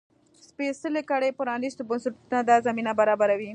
سپېڅلې کړۍ پرانيستو بنسټونو ته دا زمینه برابروي.